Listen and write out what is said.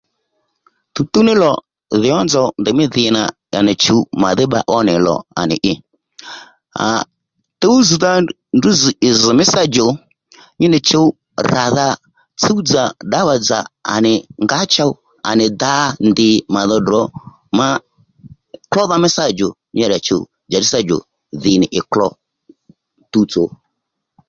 Tǔwtǔw ní lò dhì nzò ní nzòw ndèymí dhì nà à à nì chǔw màdhí pba ó nì lò à nì i à tǔwzz̀dha ndrǔ zz ì zz̀ mí sâ djò nyi nì chǔw ràdha tsúw dzà ddawa dzà à nì ngǎ chow ánì dǎ ndǐ mà dho ddrǒ ma klódha mí sâ djò nyi ra chùw njàddí sâ djò dhì nì ì klo tuwtso